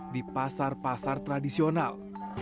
di pasar pasar tradisional